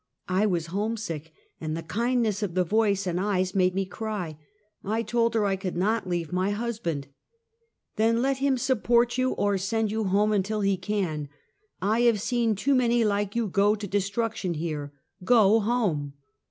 I was homesick, and the kindness of the voice and eyes made me cry. I told her I could not leave my husband. " Then let him support you, or send you home until he can ! I have seen too many like you go to destruc tion here. Go home."